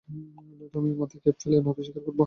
নয়তো আমি মাথার ক্যাপ ফেলে নতি স্বীকার করবো।